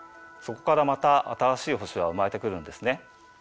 そこからまた新しい星は生まれてくるんですね。